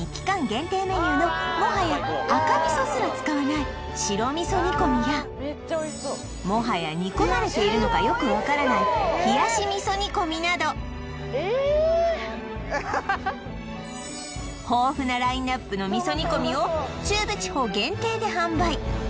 限定メニューのもはや赤みそすら使わない白みそ煮込やもはや煮込まれているのかよく分からないなど豊富なラインナップのみそ煮込を中部地方限定で販売